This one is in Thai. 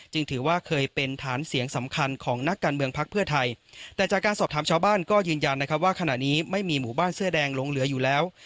จากการสอบถามชาวบ้านก็ยืนยันนะครับว่าขณะนี้ไม่มีหมู่บ้านเสื้อแดงลงเหลืออยู่แล้ว